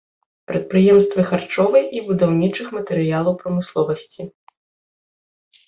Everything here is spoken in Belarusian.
Прадпрыемствы харчовай і будаўнічых матэрыялаў прамысловасці.